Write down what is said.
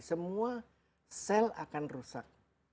semua sel akan rusak